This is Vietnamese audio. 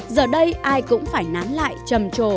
giờ đây ai cũng phải nán lại trầm trồ